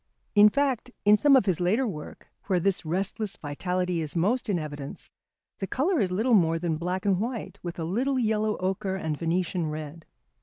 In fact, in some of his later work, where this restless vitality is most in evidence, the colour is little more than black and white, with a little yellow ochre and Venetian red.